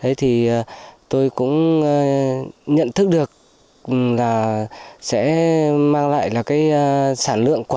thế thì tôi cũng nhận thức được là sẽ mang lại là cái sản lượng quả